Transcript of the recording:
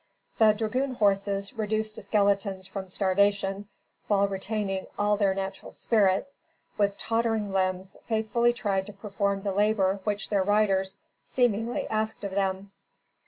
The dragoon horses, reduced to skeletons from starvation while retaining all their natural spirit, with tottering limbs, faithfully tried to perform the labor which their riders, seemingly, asked of them.